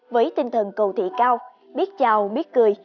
với tinh thần cầu thị cao biết chào biết cười